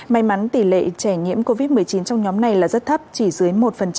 may mắn tỷ lệ trẻ nhiễm covid một mươi chín trong nhóm này là rất thấp chỉ dưới một